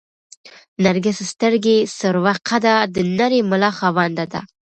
نرګس سترګې، سروه قده، د نرۍ ملا خاونده ده